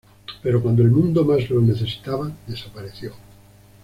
Pero cuando el mundo más lo necesitaba desapareció.